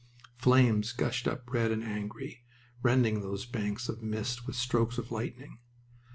Flames gushed up red and angry, rending those banks of mist with strokes of lightning.